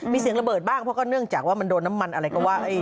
มีเสียงระเบิดบ้างเพราะก็เนื่องจากว่ามันโดนน้ำมันอะไรก็ว่า